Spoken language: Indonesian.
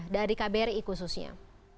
dari kbri khususnya